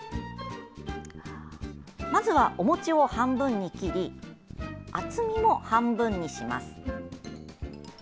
まずはお餅を半分に切り厚みも半分にします。